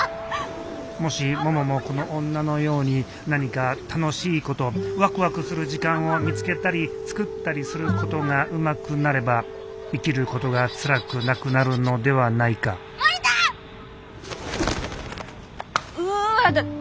もしもももこの女のように何か楽しいことワクワクする時間を見つけたり作ったりすることがうまくなれば生きることがつらくなくなるのではないかうわ！